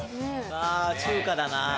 あぁ中華だな。